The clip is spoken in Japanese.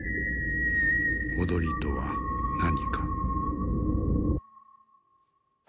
踊りとは何か？